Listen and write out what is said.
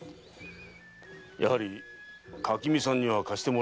やはり垣見さんには貸してもらえないか。